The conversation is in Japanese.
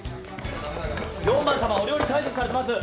４番様お料理催促されてます！